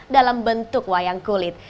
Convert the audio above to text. dalam bentuk wayang kulit